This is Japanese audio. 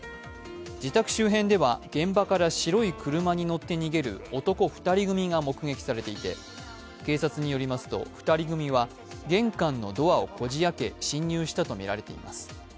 自宅周辺では現場から白い車に乗って逃げる男２人組が目撃されていて警察によると２人組は玄関のドアをこじあけ侵入したとみられています。